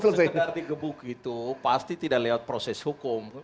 sekedar digebuk gitu pasti tidak lewat proses hukum